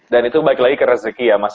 dan itu balik lagi ke rezeki ya mas